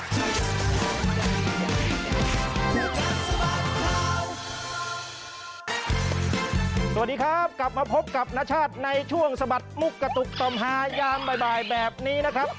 สวัสดีครับกลับมาพบกับนชาติในช่วงสะบัดมุกกระตุกต่อมหายามบ่ายแบบนี้นะครับ